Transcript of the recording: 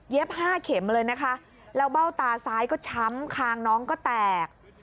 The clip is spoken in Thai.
๕เข็มเลยนะคะแล้วเบ้าตาซ้ายก็ช้ำคางน้องก็แตก